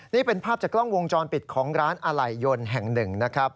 นี่เป็นภาพจากกล้องวงจรปิดของร้านอะไหล่ยนต์แห่งหนึ่งนะครับ